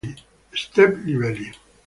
Step Lively